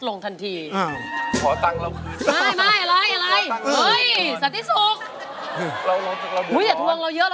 เราอายคนคนเยอะแยะ